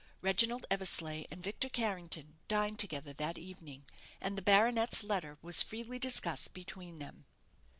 Reginald Eversleigh and Victor Carrington dined together that evening, and the baronet's letter was freely discussed between them.